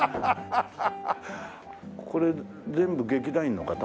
これ全部劇団員の方？